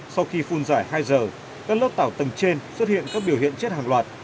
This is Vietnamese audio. sau khi phun giải hai h các lớp tảo tầng trên xuất hiện các biểu hiện chất hàng loạt